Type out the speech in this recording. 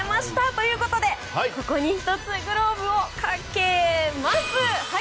ということで、ここに１つグローブをかけます。